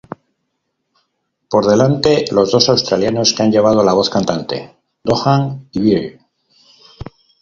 Por delante, los dos australianos que han llevado la voz cantante, Doohan y Beattie.